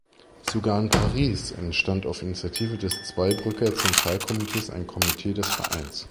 Sogar in Paris entstand auf Initiative des Zweibrücker Zentralkomitees ein Komitee des Vereins.